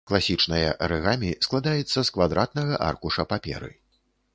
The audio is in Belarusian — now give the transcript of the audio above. Класічнае арыгамі складаецца з квадратнага аркуша паперы.